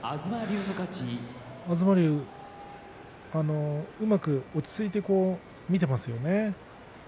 東龍、うまく落ち着いて見ていますね。